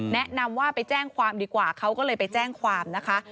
แนะนำว่าไปแจ้งความดีกว่าเขาก็เลยไปแจ้งความนะคะ